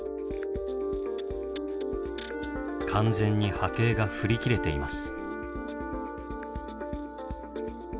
完全に波形が振り切れています。